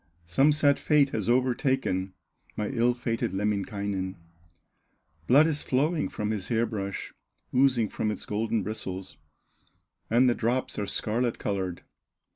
Some sad fate has overtaken My ill fated Lemminkainen! Blood is flowing from his hair brush, Oozing from its golden bristles, And the drops are scarlet colored."